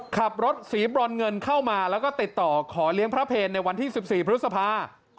ขับรถสีบรอนเงินเข้ามาแล้วก็ติดต่อขอเลี้ยงพระเพลในวันที่๑๔พฤษภา